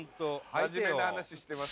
「真面目な話してますから」